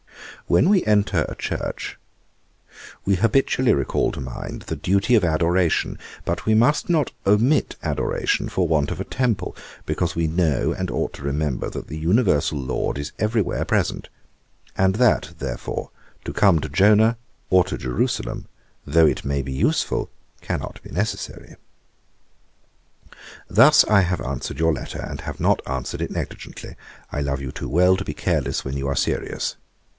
When we enter a church we habitually recall to mind the duty of adoration, but we must not omit adoration for want of a temple; because we know, and ought to remember, that the Universal Lord is every where present; and that, therefore, to come to Jona, or to Jerusalem, though it may be useful, cannot be necessary. 'Thus I have answered your letter, and have not answered it negligently. I love you too well to be careless when you are serious.